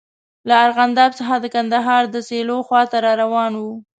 له ارغنداب څخه د کندهار د سیلو خواته را روان وو.